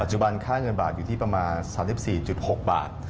จุบันค่าเงินบาทอยู่ที่ประมาณ๓๔๖บาท